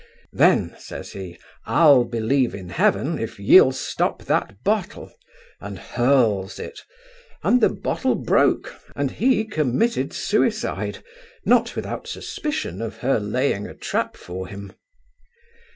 Then, says he, I'll believe in heaven if ye'll stop that bottle, and hurls it; and the bottle broke and he committed suicide, not without suspicion of her laying a trap for him.